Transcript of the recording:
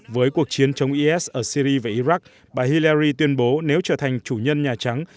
với cuộc chiến chống is ở syri và iraq bà hillarri tuyên bố nếu trở thành chủ nhân nhà trắng